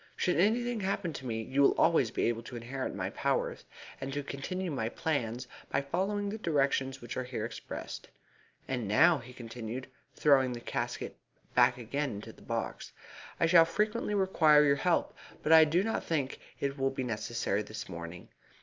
Should anything happen to me you will always be able to inherit my powers, and to continue my plans by following the directions which are there expressed. And now," he continued, throwing his casket back again into the box, "I shall frequently require your help, but I do not think it will be necessary this morning.